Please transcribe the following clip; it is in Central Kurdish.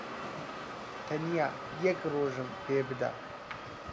تەنیا یەک ڕۆژم پێ بدە.